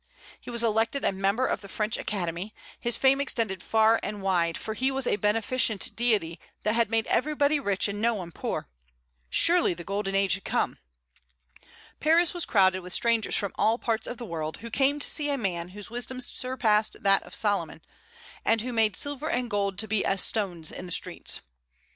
He was elected a member of the French Academy; his fame extended far and wide, for he was a beneficent deity that had made everybody rich and no one poor. Surely the golden age had come. Paris was crowded with strangers from all parts of the world, who came to see a man whose wisdom surpassed that of Solomon, and who made silver and gold to be as stones in the streets.